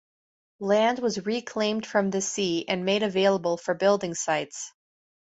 Land was reclaimed from the sea and made available for building sites.